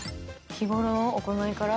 日頃の行いから？